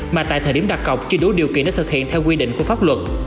mà tại thời điểm đặt cọc chưa đủ điều kiện để thực hiện theo quy định của pháp luật